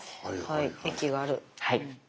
はい駅がある。